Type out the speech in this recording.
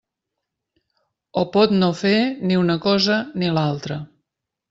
O pot no fer ni una cosa ni l'altra.